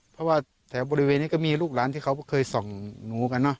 เพราะว่าแถวบริเวณนี้ก็มีลูกหลานที่เขาก็เคยส่องหนูกันเนอ